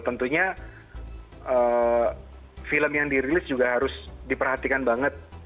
tentunya film yang dirilis juga harus diperhatikan banget